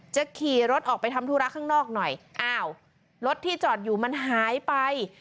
ขี่รถออกไปทำธุระข้างนอกหน่อยอ้าวรถที่จอดอยู่มันหายไป